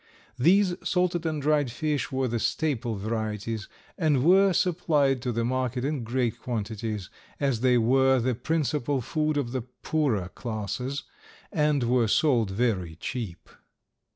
These salted and dried fish were the staple varieties and were supplied to the market in great quantities, as they were the principal food of the poorer classes and were sold very cheap.